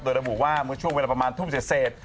โดยระบุว่าเมื่อช่วงเวลาประมาณทุ่มเศษ